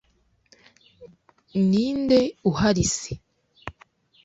ninde uhari se